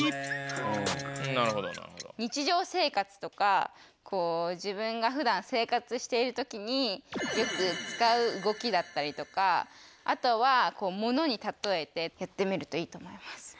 日常生活とか自分がふだん生活しているときによくつかう動きだったりとかあとはものにたとえてやってみるといいと思います。